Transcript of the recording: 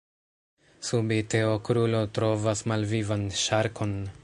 Subite, Okrulo trovas malvivan ŝarkon.